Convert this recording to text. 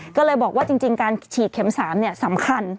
ก็เลยบอกว่าจริงการฉีดเข็ม๓สำคัญ